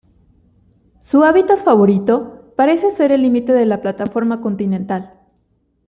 Su hábitat favorito parece ser el límite de la plataforma continental.